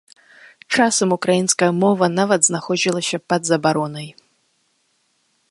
Часам украінская мова нават знаходзілася пад забаронай.